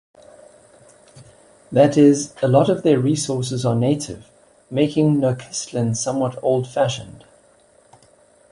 That is, a lot of their resources are native, making Nochistlan somewhat old-fashioned.